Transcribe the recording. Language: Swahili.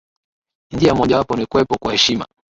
Njia mojawapo ni kuwepo kwa heshima